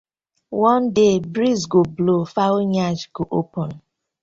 One day breeze go blow, fowl yansh go open: